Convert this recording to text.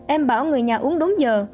em bảo người nhà uống đúng giờ